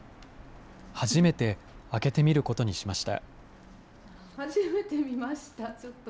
初めて開けてみることにしました。